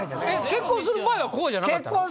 結婚する前はこうじゃなかった？